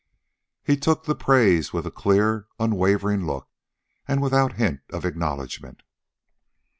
He took the praise with a clear, unwavering look, and without hint of acknowledgment.